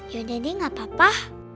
yaudah deh gak apa apa